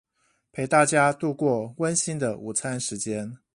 陪大家度過溫馨的午餐時間